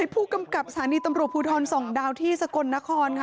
ผู้กำกับสถานีตำรวจภูทรส่องดาวที่สกลนครค่ะ